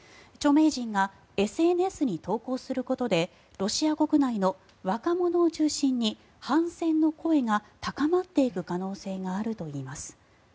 著名人がＳＮＳに投稿することでロシア国内の若者を中心に反戦の声が高まっていく可能性があるといいます。